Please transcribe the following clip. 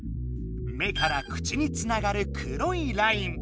目から口につながる黒いライン。